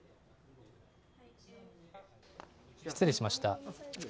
失礼しました。